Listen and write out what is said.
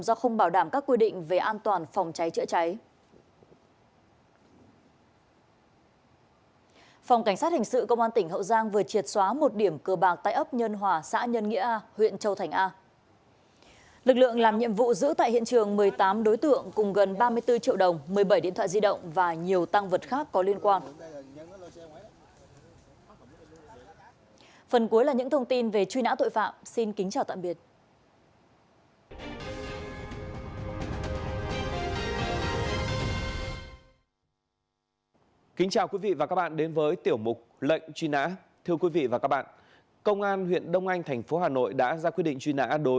do không bảo đảm các quy định về an toàn phòng cháy chữa cháy